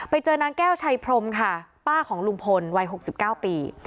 ไปเจอนางแก้วชัยพรมค่ะป้าของลุงพลวัย๖๙ปี